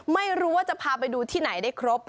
ไม่รู้ว่าจะพาไปดูที่ไหนได้ครบ